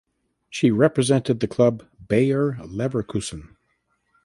She represented the club Bayer Leverkusen.